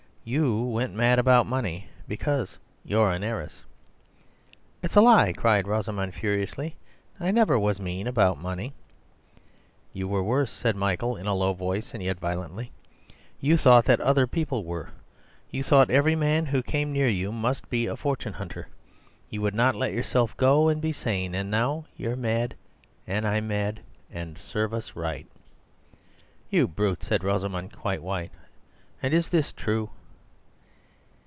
YOU went mad about money, because you're an heiress." "It's a lie," cried Rosamund furiously. "I never was mean about money." "You were worse," said Michael, in a low voice and yet violently. "You thought that other people were. You thought every man who came near you must be a fortune hunter; you would not let yourself go and be sane; and now you're mad and I'm mad, and serve us right." "You brute!" said Rosamund, quite white. "And is this true?"